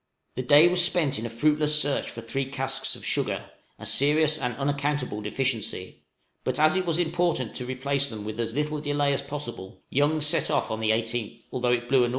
The day was spent in a fruitless search for three casks of sugar a serious and unaccountable deficiency but, as it was important to replace them with as little delay as possible, Young set off on the 18th, although it blew a N.W.